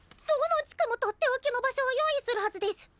どの地区も取って置きの場所を用意するはずデス。